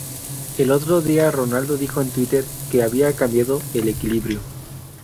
El otro día, Ronaldo dijo en Twitter que había cambiado el equilibrio.